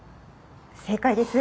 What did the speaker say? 正解です。